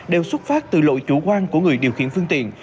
đều xuất phát từ lỗi chủ quan của người điều khiển phương tiện